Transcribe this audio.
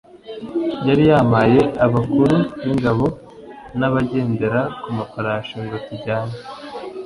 yari yampaye abakuru b’ingabo n’abagendera ku mafarashi ngo tujyane